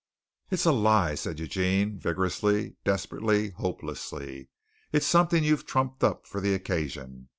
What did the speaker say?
"It's a lie!" said Eugene vigorously, desperately, hopelessly. "It's something you've trumped up for the occasion.